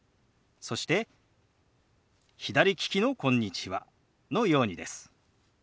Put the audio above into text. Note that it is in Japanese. そして左利きの「こんにちは」のようにです。